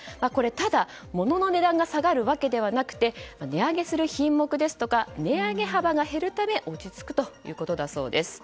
ただ、モノの値段が下がるわけではなくて値上げする品目ですとか値上げ幅が減るため落ち着くということだそうです。